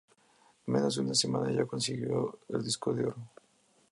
En menos de una semana ya consiguió el Disco de oro.